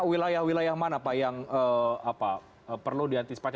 wilayah wilayah mana pak yang perlu diantisipasi